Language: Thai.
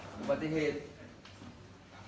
คุณภรรยากาศ